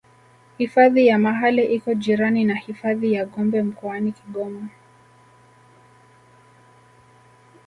hifadhi ya mahale iko jirani na hifadhi ya gombe mkoani kigoma